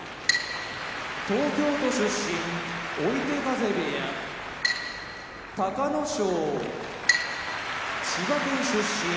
東京都出身追手風部屋隆の勝千葉県出身常盤山部屋